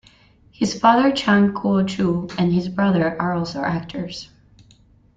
His father Chang Kuo-chu and his brother are also actors.